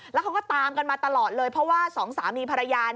แล้วเขาก็ตามกันมาตลอดเลยเพราะว่าสองสามีภรรยา